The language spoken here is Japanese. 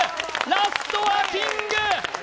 ラストはキング！